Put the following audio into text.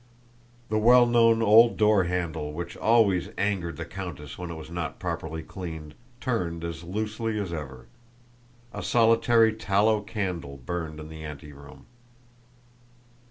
The well known old door handle, which always angered the countess when it was not properly cleaned, turned as loosely as ever. A solitary tallow candle burned in the anteroom.